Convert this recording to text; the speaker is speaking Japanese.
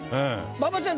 馬場ちゃん